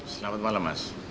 selamat malam mas